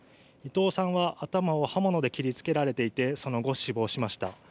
伊藤さんは刃物で切りつけられていて、そのあと死亡しました。